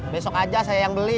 besok aja saya yang beli